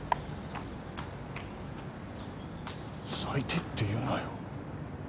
最低って言うなよ。